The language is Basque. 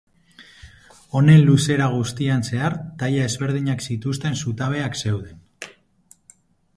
Honen luzera guztian zehar taila ezberdinak zituzten zutabeak zeuden.